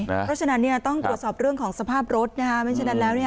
เพราะฉะนั้นต้องตรวจสอบเรื่องของสภาพรถนะคะไม่ฉะนั้นแล้ว